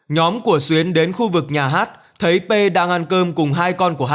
nhóm của xuyến đến khu vực nhà h thấy p đang ăn cơm cùng hai con của h